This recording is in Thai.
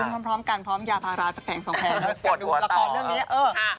กับการดูละครเรื่องนี้